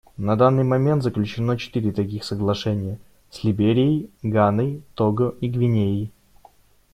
На данный момент заключено четыре таких соглашения — с Либерией, Ганой, Того и Гвинеей.